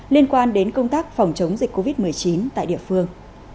liên quan đến công tác phòng chống dịch covid một mươi chín tại địa phương